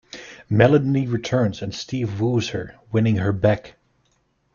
Melanie returns and Steve woos her, winning her back.